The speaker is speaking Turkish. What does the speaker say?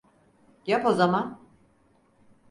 Yap o zaman.